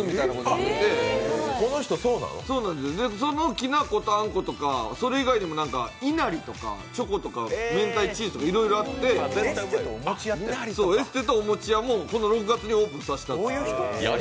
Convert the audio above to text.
大きなきなことかあんことか、それ以外にもいなりとかチョコとか明太チーズとかいろいろあってエステと、お餅屋もこの６月にオープンさせて。